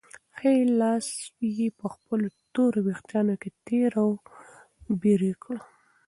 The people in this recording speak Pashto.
ښی لاس یې په خپلو تورو وېښتانو کې تېر او بېر کړ.